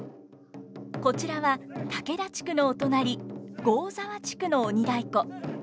こちらは竹田地区のお隣合沢地区の鬼太鼓。